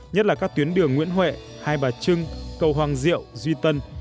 nhất là các tuyến đường nguyễn huệ hai bà trưng cầu hoàng diệu duy tân